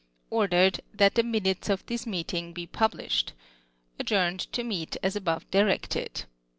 Ordered, That the minutes of this meeting be publislied. Adjourned to meet as above directed.